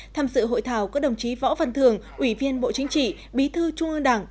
tham dự hội thảo có đồng chí võ văn thường ủy viên bộ chính trị bí thư trung ương đảng